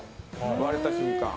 割れた瞬間。